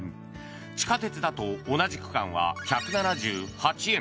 地下鉄だと同じ区間は１７８円。